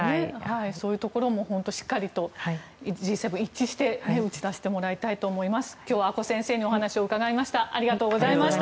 そういうところも、しっかりとＧ７一致して打ち出してもらいたいと思います。